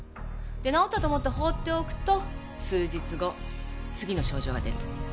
で治ったと思って放っておくと数日後次の症状が出る。